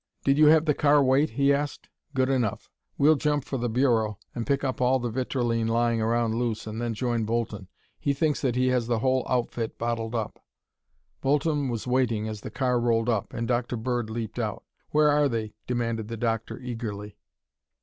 "Did you have the car wait?" he asked. "Good enough; we'll jump for the Bureau and pick up all the vitrilene laying around loose and then join Bolton. He thinks that he has the whole outfit bottled up." Bolton was waiting as the car rolled up and Dr. Bird leaped out. "Where are they?" demanded the doctor eagerly.